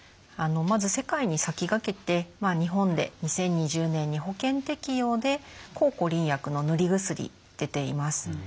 まず世界に先駆けて日本で２０２０年に保険適用で抗コリン薬の塗り薬出ています。